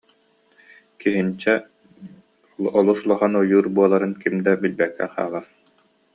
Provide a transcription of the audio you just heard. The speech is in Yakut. Киһинчэ олус улахан ойуун буоларын ким да билбэккэ хаалар